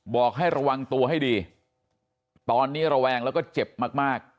บอกให้ระวังตัวให้ดีตอนนี้ระแวงแล้วก็เจ็บมาก